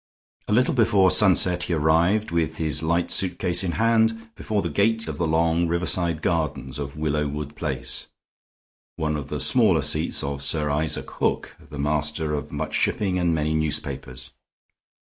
A little before sunset he arrived, with his light suitcase in hand, before the gate of the long riverside gardens of Willowood Place, one of the smaller seats of Sir Isaac Hook, the master of much shipping and many newspapers.